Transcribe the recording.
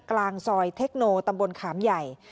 กลางซอยเทคโนตำบลขามใหญ่